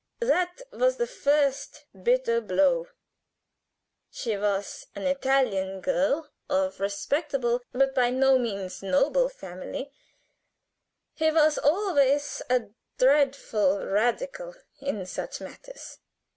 That was the first bitter blow: she was an Italian girl of respectable but by no means noble family he was always a dreadful radical in such matters.